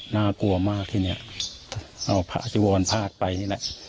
น่ากลัวมากที่นี้เอาภาษีวรภาคไปนี่แหละ